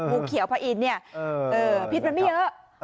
งูเขียวพระอินเนี่ยพิษมันไม่เยอะ